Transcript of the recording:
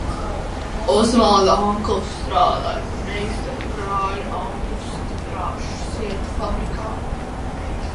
Osvalda onkulis strādāja par meistaru brāļa Augusta drāšu sieta fabrikā.